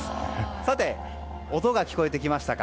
さあ、音が聞こえてきました。